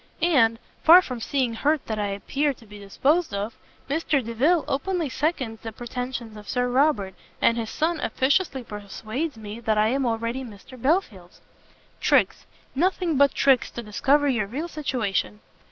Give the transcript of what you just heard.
And, far from seeming hurt that I appear to be disposed of, Mr Delvile openly seconds the pretensions of Sir Robert, and his son officiously persuades me that I am already Mr Belfield's." "Tricks, nothing but tricks to discover your real situation."